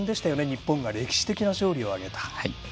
日本が歴史的な勝利を挙げた。